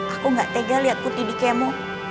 aku gak tega liat putih dikemu